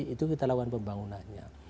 itu kita lakukan pembangunannya